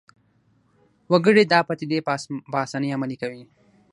وګړي دا پدیدې په اسانۍ عملي کوي